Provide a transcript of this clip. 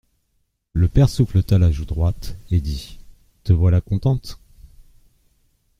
Le père souffleta la joue droite et dit :, Te voilà contente.